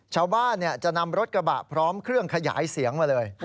ชาวบ้านจะนำรถกระบะพร้อมเครื่องขยายเสียงมาเลย